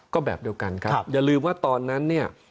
ก็แบบเดียวกันครับอย่าลืมว่าตอนนั้นเนี่ย